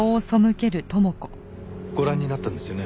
ご覧になったんですよね？